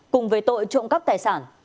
cùng với tội